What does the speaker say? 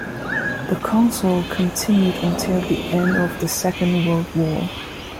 The council continued until the end of the Second World War.